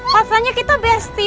pasalnya kita besti